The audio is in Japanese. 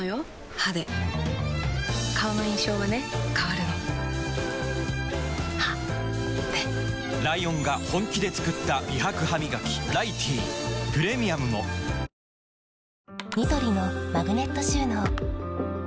歯で顔の印象はね変わるの歯でライオンが本気で作った美白ハミガキ「ライティー」プレミアムもソフトバンクデビュー割イズダブルで安いＮｏ！